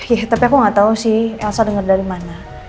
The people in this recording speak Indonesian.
ih tapi aku gak tau sih elsa dengar dari mana